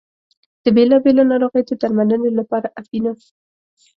د بېلا بېلو ناروغیو د درملنې لپاره اپینو.